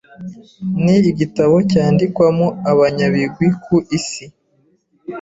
ni igitabo cyandikwamo abanyabigwi ku Isi,